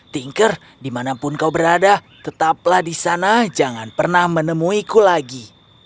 tinker dimanapun kau berada tetaplah di sana jangan pernah menemuiku lagi